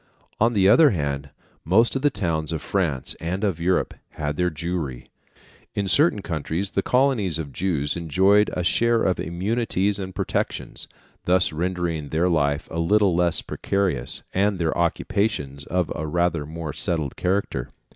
On the other hand, most of the towns of France and of Europe had their Jewry. In certain countries, the colonies of Jews enjoyed a share of immunities and protections, thus rendering their life a little less precarious, and their occupations of a rather more settled character.